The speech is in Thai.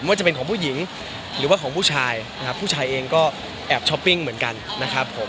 ว่าจะเป็นของผู้หญิงหรือว่าของผู้ชายนะครับผู้ชายเองก็แอบช้อปปิ้งเหมือนกันนะครับผม